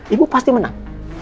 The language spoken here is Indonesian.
ibu pasti menang